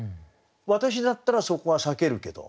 私だったらそこは避けるけど。